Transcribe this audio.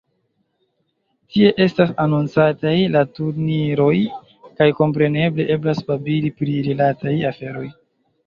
Tie estas anoncataj la turniroj, kaj kompreneble eblas babili pri rilataj aferoj.